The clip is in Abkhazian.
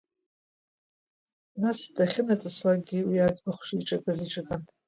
Нас дахьынаҵыслакгьы уи аӡбахә шиҿакыз иҿакын…